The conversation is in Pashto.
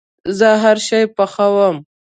زه هرشی پخوم